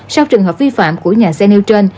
sau trường hợp vi phạm của nhà xe nêu trên